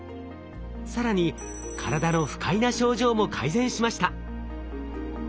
更に体の不快な症状も改善しました。